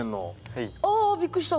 はい。ああびっくりした。